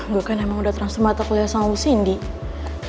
gue kan emang udah terang semata kuliah sama bu cindy